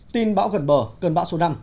tin bão gần bờ cơn bão số năm